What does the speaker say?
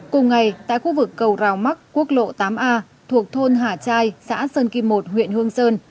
cùng ngày tại khu vực cầu rào mắc quốc lộ tám a thuộc thôn hà trai xã sơn kim một huyện hương sơn